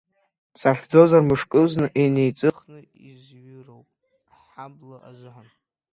Сахьӡозар, мышкызны инеиҵыхны изҩыроуп ҳҳабла азыҳәан.